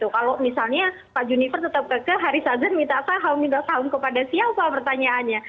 kalau misalnya pak juniper tetap haris azhar minta saham minta saham kepada siapa pertanyaannya